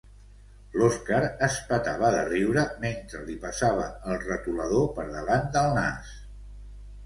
L'Oskar es petava de riure mentre li passava el retolador per davant del nas.